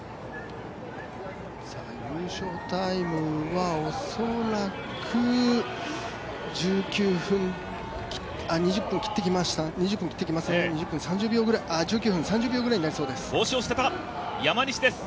優勝タイムは恐らく２０分切ってきますかね、１９分３０秒ぐらいになりそうです。